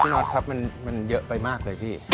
น็อตครับมันเยอะไปมากเลยพี่